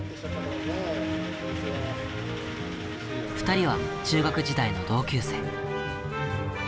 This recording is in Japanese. ２人は中学時代の同級生。